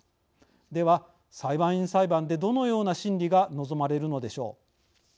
では、裁判員裁判でどのような審理が望まれるのでしょう。